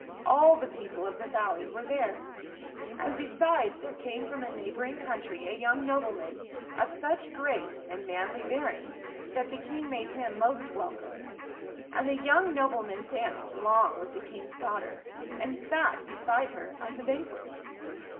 All the people of the valley were there. And be [ 135 ] FAVORITE FAIRY TALES RETOLD sides, there came from a neighboring country a young nobleman of such grace and manly bearing that the King made him most welcome. And the young nobleman danced long with the King's daughter, and sat beside her at the banquet.